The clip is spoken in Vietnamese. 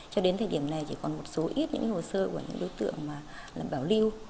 cho đến thời điểm này chỉ còn một số ít những hồ sơ của những đối tượng mà bảo lưu